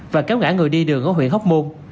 và kéo ngã người đi đường ở huyện hóc môn